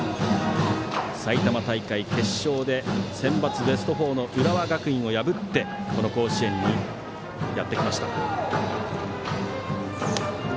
埼玉大会決勝ではセンバツベスト４の浦和学院を破ってこの甲子園にやってきました。